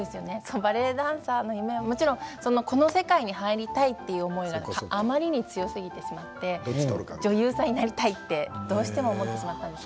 バレエダンサーの夢はもちろんこの世界に入りたいという思いがあまりにも強すぎてしまって女優さんになりたいってどうしても思ってしまったんです。